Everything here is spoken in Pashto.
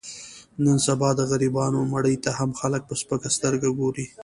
نن سبا د غریبانو مړي ته هم خلک په سپکه سترګه ګوري.